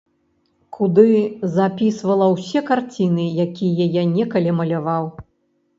Куды запісвала ўсе карціны, якія я некалі маляваў.